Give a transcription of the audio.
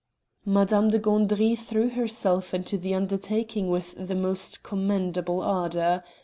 Madame de Gandry threw herself into the undertaking with the most commendable ardor.